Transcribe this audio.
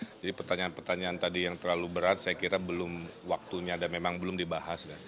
jadi pertanyaan pertanyaan tadi yang terlalu berat saya kira belum waktunya dan memang belum dibahas